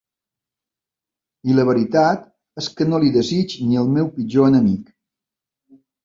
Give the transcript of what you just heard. I la veritat és que no l'hi desitjo ni al meu pitjor enemic.